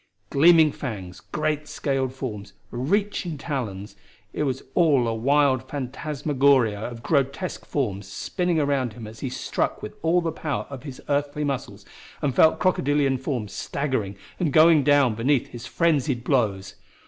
Gleaming fangs great scaled forms reaching talons it was all a wild phantasmagoria of grotesque forms spinning around him as he struck with all the power of his earthly muscles and felt crocodilian forms staggering and going down beneath his frenzied blows.